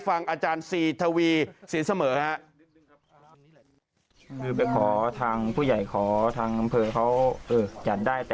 ฟังอาจารย์ซีทวีเสียเสมอครับ